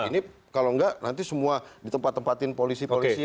ini kalau enggak nanti semua ditempat tempatin polisi polisi